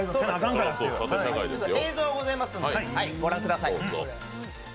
映像がございますので御覧ください。